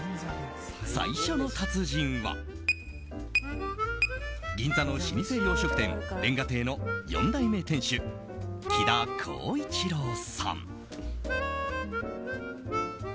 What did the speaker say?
最初の達人は銀座の老舗洋食店煉瓦亭の４代目店主木田浩一朗さん。